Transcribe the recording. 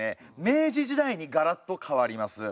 明治時代にがらっと変わります。